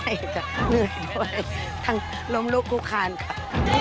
เหนื่อยด้วยทั้งล้มลุกคุกคานค่ะ